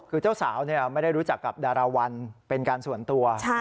คือเจ้าสาวไม่ได้รู้จักกับดาราวัลเป็นการส่วนตัว